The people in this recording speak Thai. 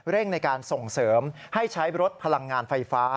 ในการส่งเสริมให้ใช้รถพลังงานไฟฟ้า